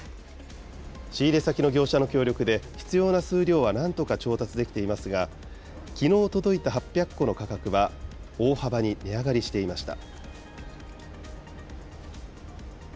仕入れ先の業者の協力で、必要な数量はなんとか調達できていますが、きのう届いた８００個の価格は大幅に値上がりしていました。